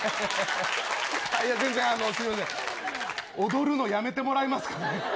踊るのやめてもらえますかね。